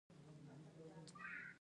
تاسو پیاوړي یاست